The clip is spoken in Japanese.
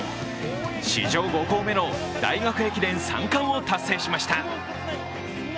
史上５校目の大学駅伝３冠を達成しました。